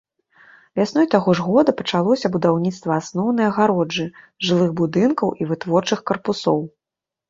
Вясной таго ж года пачалося будаўніцтва асноўнай агароджы, жылых будынкаў і вытворчых карпусоў.